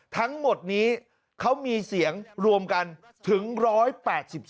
ทั้งหมดนี้เขามีเสียงรวมกันถึง๑๘๒